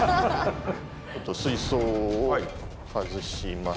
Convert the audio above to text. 水槽を外します。